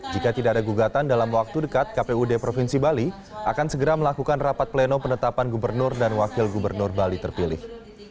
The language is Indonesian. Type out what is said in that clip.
jika tidak ada gugatan dalam waktu dekat kpud provinsi bali akan segera melakukan rapat pleno penetapan gubernur dan wakil gubernur bali terpilih